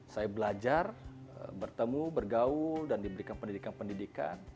saya belajar bertemu bergaul dan diberikan pendidikan pendidikan